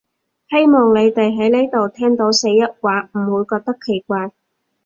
希望你哋喺呢度聽到四邑話唔會覺得奇怪